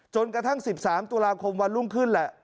จนกระทั่ง๑๓ตุลาคมวันรุ่งขึ้นแหละ